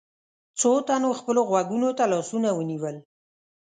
څو تنو خپلو غوږونو ته لاسونه ونيول.